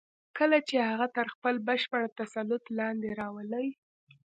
کله چې هغه تر خپل بشپړ تسلط لاندې راولئ.